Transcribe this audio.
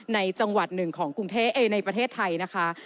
ในจังหวัดหนึ่งของกรุงเทพในประเทศไทยนะคะ